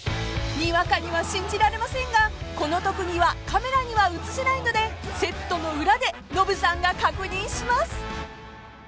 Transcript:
［にわかには信じられませんがこの特技はカメラには映せないのでセットの裏でノブさんが確認します］